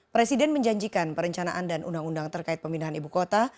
presiden menjanjikan perencanaan dan undang undang terkait pemindahan ibu kota